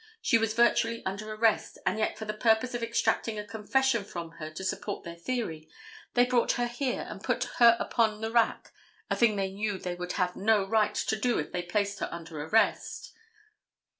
She was virtually under arrest, and yet for the purpose of extracting a confession from her to support their theory, they brought her here and put her upon the rack, a thing they knew they would have no right to do if they placed her under arrest.